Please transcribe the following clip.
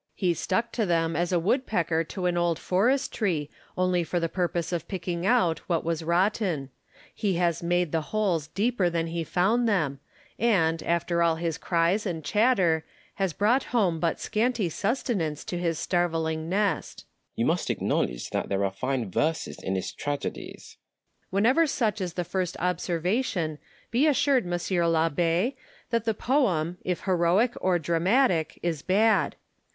Landor. He stuck to them as a woodpecker to an old forest tree, only for the purpose of picking out what was rotten : he has made the holes deeper than he found them, and, after all his cries and chatter, has brought home but scanty sustenance to his starveling nest. Delille. You must acknowledge that there are fine verses in his tragedies. Landor. Whenever such is the first observation, be assured, M. l'Abb6, that the poem, if heroic or dramatic, is bad.